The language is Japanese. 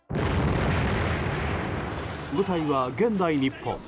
舞台は現代日本。